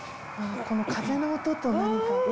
この風の音と何か。